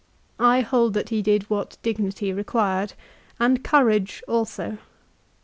I hold that he did what dignity required, and courage also.